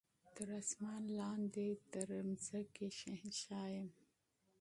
تر اسمان لاندي تر مځکي شهنشاه یم